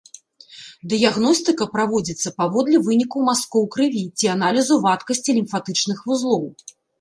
Дыягностыка праводзіцца паводле вынікаў мазкоў крыві ці аналізу вадкасці лімфатычных вузлоў.